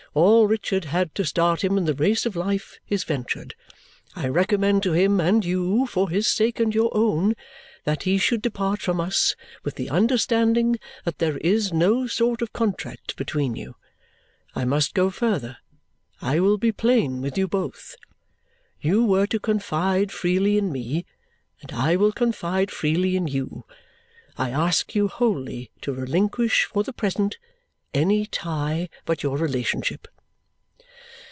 All Richard had to start him in the race of life is ventured. I recommend to him and you, for his sake and your own, that he should depart from us with the understanding that there is no sort of contract between you. I must go further. I will be plain with you both. You were to confide freely in me, and I will confide freely in you. I ask you wholly to relinquish, for the present, any tie but your relationship."